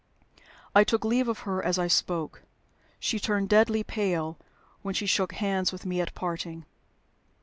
I took leave of her as I spoke. She turned deadly pale when she shook hands with me at parting.